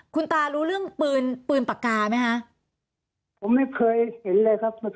คุณตารู้เรื่องปืนปืนปากกาไหมฮะผมไม่เคยเห็นเลยครับไม่เคยเห็นเลย